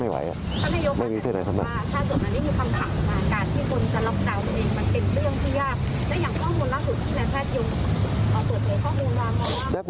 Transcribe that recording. ตัวเองข้อมูลลักษณ์แล้ว